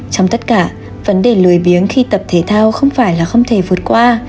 trong tất cả vấn đề lời biếng khi tập thể thao không phải là không thể vượt qua